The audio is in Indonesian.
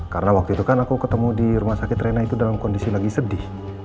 karena waktu itu kan aku ketemu di rumah sakit rena itu dalam kondisi lagi sedih